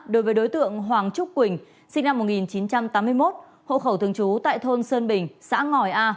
đối với đối tượng hoàng trúc quỳnh sinh năm một nghìn chín trăm tám mươi một hộ khẩu thường trú tại thôn sơn bình xã ngòi a